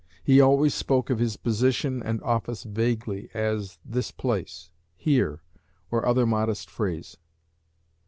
He always spoke of his position and office vaguely, as, 'this place,' 'here,' or other modest phrase.